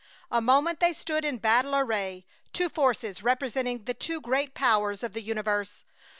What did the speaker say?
A moment they stood in battle array, two forces representing the two great powers of the universe.